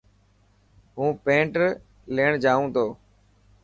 هون پينٽ ليڻ جائو تو.